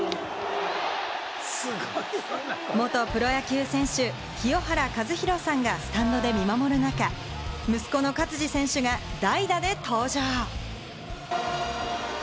元プロ野球選手・清原和博さんがスタンドで見守る中、息子の勝児選手が代打で登場。